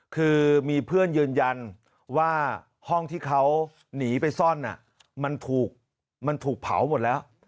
คือมีเพื่อนยืนยันว่าห้องที่เขาหนีไปซ่อนมันถูกเผาหมดแล้ว